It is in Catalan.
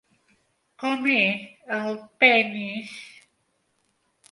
Com és el penis?